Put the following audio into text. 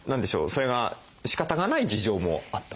それがしかたがない事情もあった？